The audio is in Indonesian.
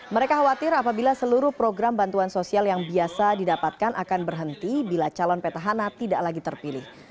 mereka khawatir apabila seluruh program bantuan sosial yang biasa didapatkan akan berhenti bila calon petahana tidak lagi terpilih